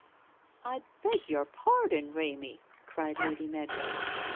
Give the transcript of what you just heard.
' I beg your pardon, Pemy,' cried Lady Meadrow.